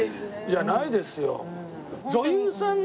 いやないですよ。